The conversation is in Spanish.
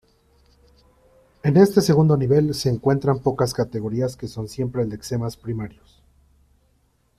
En este segundo nivel se encuentran pocas categorías que son siempre lexemas primarios.